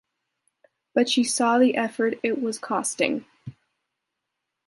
But she saw the effort it was costing.